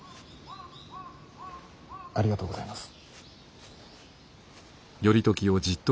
ありがとうございます。